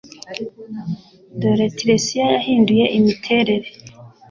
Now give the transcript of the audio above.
Dore Tiresiya yahinduye imiterere